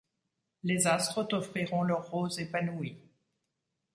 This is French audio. Les astres t'offriront leur rose épanouie.